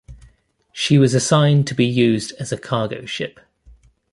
She was assigned to be used as a cargo ship.